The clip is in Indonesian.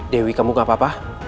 dewi kamu gak apa apa